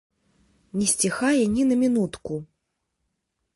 Не сціхае ні на мінутку.